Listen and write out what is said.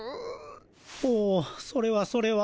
ほうそれはそれは。